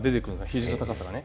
ひじの高さがね。